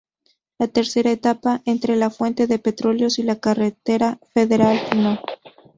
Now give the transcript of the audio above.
La tercera etapa entre la Fuente de Petróleos y la Carretera Federal No.